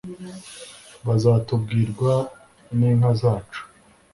Bazatubwirwa ninka zacu